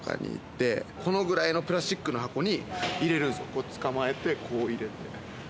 続いて捕まえてこう入れて。